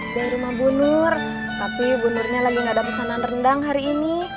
dari rumah bunur tapi bunurnya lagi gak ada pesanan rendang hari ini